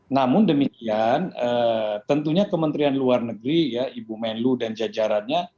namun demikian tentunya kementerian luar negeri ya ibu menlu dan jajarannya